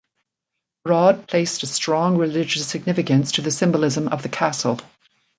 Brod placed a strong religious significance to the symbolism of the castle.